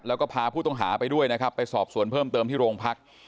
แล้วก็พาผู้ต้องหาไปด้วยนะครับไปสอบสวนเพิ่มเติมที่โรงพัก